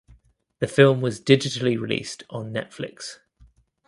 The film was digitally released on Netflix.